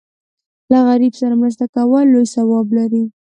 له غریب سره مرسته کول لوی ثواب لري.